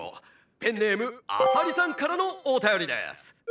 ペンネームアサリさんからのおたよりです。